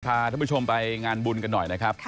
พาท่านผู้ชมไปงานบุญกันหน่อยนะครับ